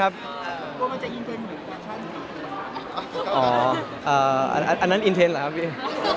อันนั้นอินเทนเหรอครับพี่